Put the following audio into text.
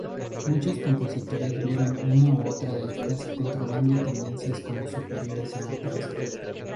Muchos compositores vieron una u otra de estas controlando tendencias como superiores a otras.